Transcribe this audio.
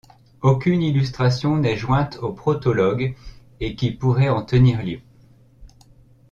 Aucune illustration n'est jointe au protologue et qui pourrait en tenir lieu.